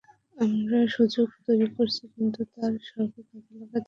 আমরা সুযোগ তৈরি করছি, কিন্তু তার সবই কাজে লাগাতে পারছি না।